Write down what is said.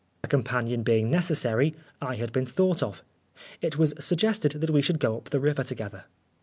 A companion being necessary, I had been thought of. It was suggested we should go up the river together.